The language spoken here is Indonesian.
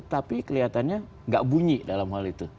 tapi kelihatannya nggak bunyi dalam hal itu